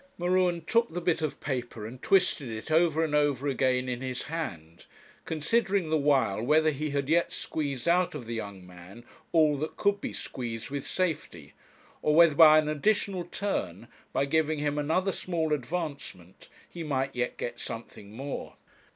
M'Ruen took the bit of paper, and twisted it over and over again in his hand, considering the while whether he had yet squeezed out of the young man all that could be squeezed with safety, or whether by an additional turn, by giving him another small advancement, he might yet get something more.